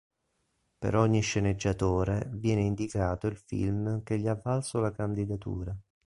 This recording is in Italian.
Per ogni sceneggiatore viene indicato il film che gli ha valso la candidatura.